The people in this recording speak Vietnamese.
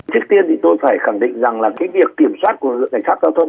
trước tiên thì tôi phải khẳng định rằng là cái việc kiểm soát của lực lượng cảnh sát giao thông